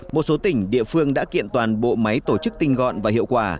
một số tỉnh địa phương đã kiện toàn bộ máy tổ chức tinh gọn và hiệu quả